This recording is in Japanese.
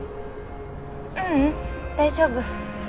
ううん大丈夫。